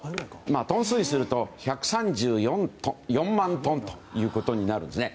トン数にすると１３４万トンということになるんですね。